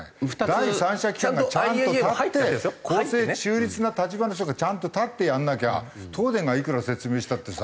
第三者機関がちゃんと立って公正中立な立場の人がちゃんと立ってやんなきゃ東電がいくら説明したってさ。